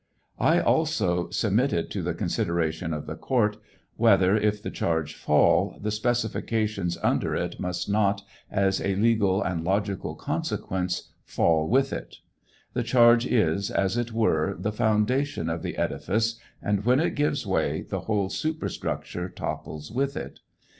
I also submit it to the consideration of the court whether, if the charge fall the specifications under it must not, as a legal and logical consequence, fall witl it 1 The charge is, as it were, the foundation of the edifice, and when it givei way the whole superstructure topples with it.